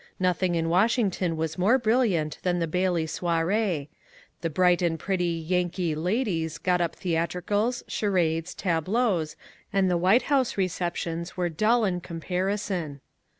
Nothing in Washington was more brilliant than the Bailey soiree. The bright and pretty ^^ Yankee " ladies got up theatricals, charades, tableaux, and the White House receptions were dull in comparison.